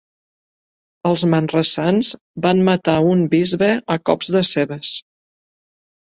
Els manresans van matar un bisbe a cops de cebes.